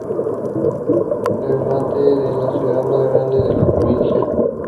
Ternate es la ciudad más grande de la provincia.